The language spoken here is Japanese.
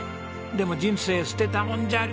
でも人生捨てたもんじゃありません！